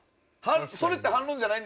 それって反論じゃないんですか？